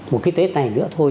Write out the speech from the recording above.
một cái tết này nữa thôi